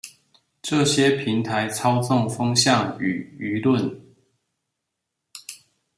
這些平台操縱風向與輿論